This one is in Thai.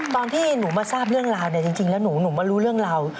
ตอนที่หนูมาทราบเรื่องราวเนี่ยจริงแล้วหนูมารู้เรื่องราว